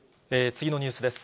次のニュースです。